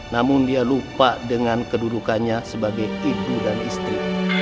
namun dia lupa dengan kedudukannya sebagai ibu dan istri